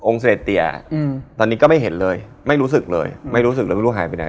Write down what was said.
เสด็จเตียอืมตอนนี้ก็ไม่เห็นเลยไม่รู้สึกเลยไม่รู้สึกเลยไม่รู้หายไปไหน